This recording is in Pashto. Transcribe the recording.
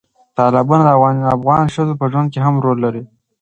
تالابونه د افغان ښځو په ژوند کې هم رول لري.